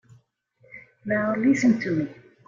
Now you listen to me.